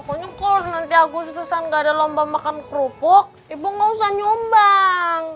pokoknya kalau nanti agus terserah gak ada lomba makan kerupuk ibu gak usah nyumbang